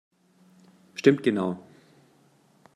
Stimmt genau!